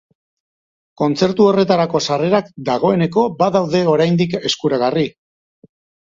Kontzertu horretarako sarrerak dagoeneko badaude oraindik eskuragarri.